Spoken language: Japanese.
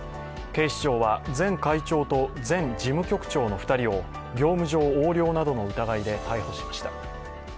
警視庁は前会長と前事務局長の２人を業務上横領などの疑いで逮捕しました。